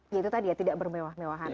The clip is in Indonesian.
ya itu tadi ya tidak bermewah mewahan